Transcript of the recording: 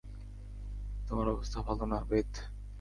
তোমার অবস্থা ভালো না, বেথ।